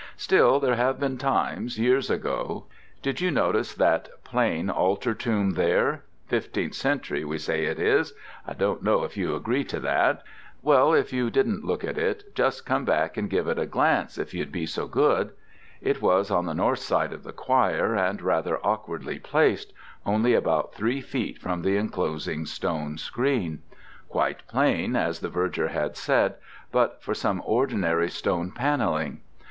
Still there have been times, years ago. Did you notice that plain altar tomb there fifteenth century we say it is, I don't know if you agree to that? Well, if you didn't look at it, just come back and give it a glance, if you'd be so good." It was on the north side of the choir, and rather awkwardly placed: only about three feet from the enclosing stone screen. Quite plain, as the Verger had said, but for some ordinary stone panelling.